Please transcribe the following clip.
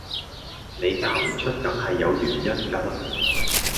你嫁唔出梗係有原因㗎啦